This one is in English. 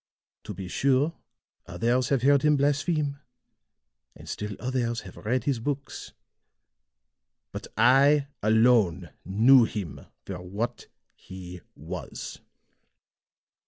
To be sure, others have heard him blaspheme, and still others have read his books. But I alone knew him for what he was."